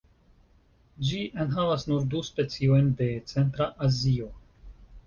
Ĝi enhavas nur du speciojn de centra Azio.